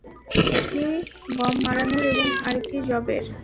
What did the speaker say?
একটি গম মাড়ানোর এবং আরেকটি যবের।